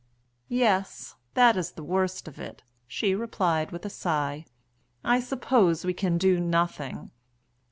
"Yes, that is the worst of it," she replied, with a sigh. "I suppose we can do nothing.